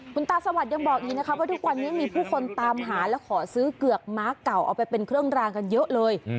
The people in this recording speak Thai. คุณตาสวัสดิ์ยังบอกอีกนะคะว่าทุกวันนี้มีผู้คนตามหาและขอซื้อเกือกม้าเก่าเอาไปเป็นเครื่องรางกันเยอะเลย